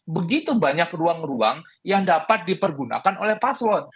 begitu banyak ruang ruang yang dapat dipergunakan oleh paslon